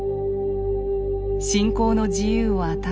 信仰の自由を与え